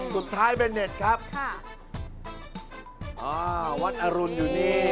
สุดท้ายเป็นเนทครับวัดอรุณอยู่นี่